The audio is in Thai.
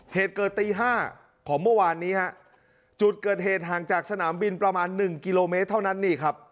เหตุเกิดตีห้าของเมื่อวานนี้ฮะจุดเกิดเหตุห่างจากสนามบินประมาณหนึ่งกิโลเมตรเท่านั้นนี่ครับ